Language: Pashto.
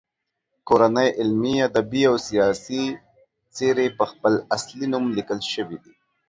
کورنۍ علمي، ادبي او سیاسي څیرې په خپل اصلي نوم لیکل شوي دي.